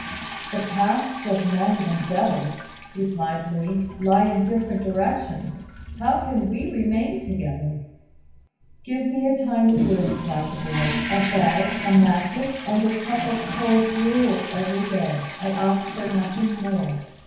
"The paths of men and devils," replied Li, "lie in different directions. How can we remain together?" "Give me only a tiny room," cried the boy, "a bed, a mattress, and a cup of cold gruel every day. I ask for nothing more."